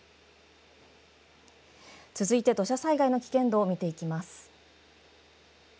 続いて土砂災害の危険度を見ていきます。